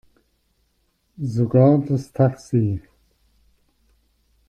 Sogar das Taxi.